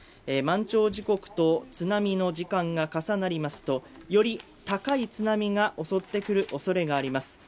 満潮時刻と津波の時間が重なりますと、より高い津波が襲ってくるおそれがあります。